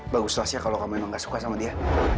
bagus lah shania kalo kamu emang gak suka sama dia